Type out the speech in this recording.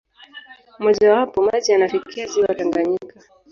Mmojawapo, maji yanafikia ziwa Tanganyika.